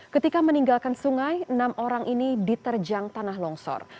ketika meninggalkan sungai enam orang ini diterjang tanah longsor